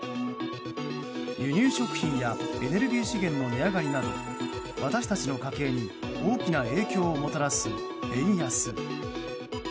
輸入食品やエネルギー資源の値上がりなど私たちの家計に大きな影響をもたらす円安。